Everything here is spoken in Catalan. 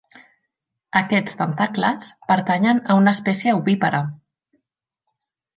Aquests tentacles pertanyen a una espècie ovípara.